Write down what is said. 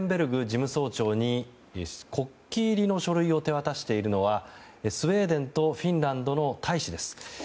事務総長に国旗入りの書類を手渡しているのはスウェーデンとフィンランドの大使です。